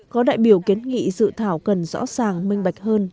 có đại biểu kiến nghị dự thảo cần rõ ràng minh bạch hơn